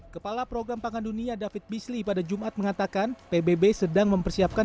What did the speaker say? kepala program pangan dunia david bisli pada jumat mengatakan pbb sedang mempersiapkan